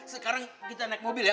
sekarang kita naik mobil ya